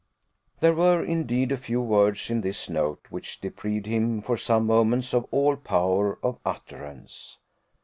There were, indeed, a few words in this note, which deprived him, for some moments, of all power of utterance.